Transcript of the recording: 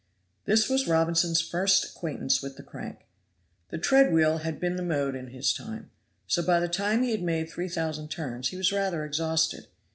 This was Robinson's first acquaintance with the crank. The tread wheel had been the mode in his time; so by the time he had made three thousand turns he was rather exhausted.